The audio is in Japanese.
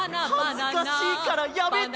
はずかしいからやめて！